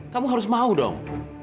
kamu harus mau dong